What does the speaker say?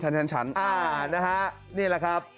อ่านะฮะนี่แหละครับ